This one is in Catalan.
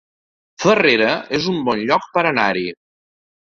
Farrera es un bon lloc per anar-hi